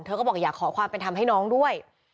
ก็บอกอยากขอความเป็นธรรมให้น้องด้วย